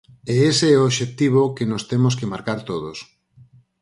E ese é o obxectivo que nos temos que marcar todos.